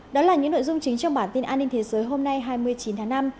đó là những nội dung chính trong bản tin an ninh thế giới hôm nay hai mươi chín tháng năm